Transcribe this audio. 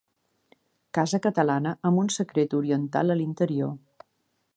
Casa catalana amb un secret oriental a l'interior.